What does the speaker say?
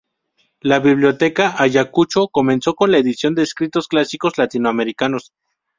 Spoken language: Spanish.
La Biblioteca Ayacucho comenzó con la edición de escritos clásicos latinoamericanos.